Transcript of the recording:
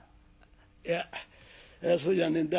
「いやそうじゃねえんだ。